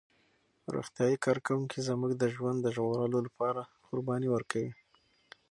روغتیايي کارکوونکي زموږ د ژوند د ژغورلو لپاره قرباني ورکوي.